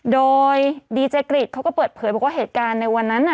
โดยดีเจกริจเขาก็เปิดเผยบอกว่าเหตุการณ์ในวันนั้น